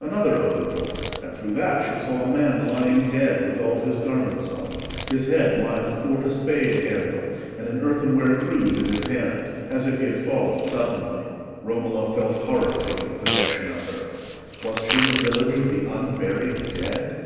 Another open door; and through that she saw a man lying dead with all his garments on, his head lying athwart a spade handle, and an earthenware cruse in his hand, as if he had fallen suddenly. Romola felt horror taking possession of her. Was she in a village of the unburied dead?